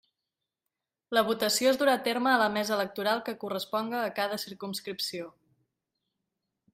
La votació es durà a terme a la Mesa Electoral que corresponga a cada circumscripció.